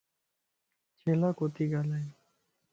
چھيلا ڪوتي ڳالھائي؟